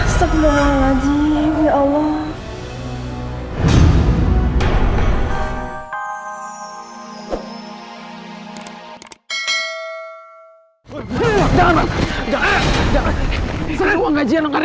astagfirullahaladzim ya allah